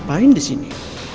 mi lah ngapain di sini